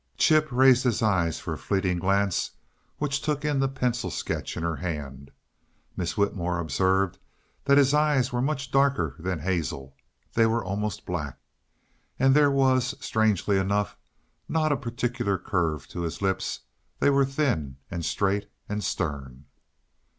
Chip raised his eyes for a fleeting glance which took in the pencil sketch in her hand. Miss Whitmore observed that his eyes were much darker than hazel; they were almost black. And there was, strangely enough, not a particle of curve to his lips; they were thin, and straight, and stern.